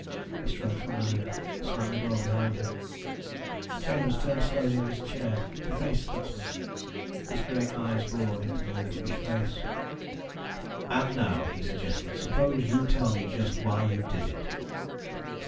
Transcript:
He strode from the room, slammed the door behind him. Chambers turned slowly in his chair to face Stutsman. His gray eyes bored into the wolfish face. "And now," he suggested, "suppose you tell me just why you did it."